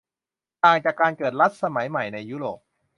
ต่างจากการเกิดรัฐสมัยใหม่ในยุโรป